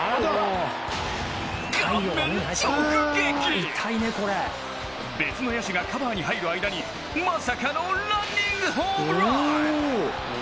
顔面直撃別の野手がカバーに入る間にまさかのランニングホームラン！